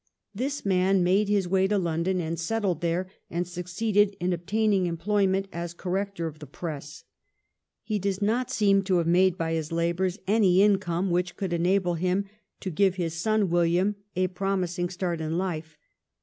This man made his way to London, and settled there, and succeeded in ob taining employment as corrector of the press. He does not seem to have made by his labours any income which could enable him to give his son William a promising start in life.